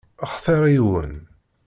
Xtiṛ yiwen.